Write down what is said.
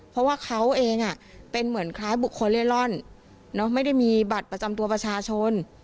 เพราะว่าเขาเองเป็นเหมือนคล้ายบุคคลเล่ร่อนไม่ได้มีบัตรประจำตัวประชาชน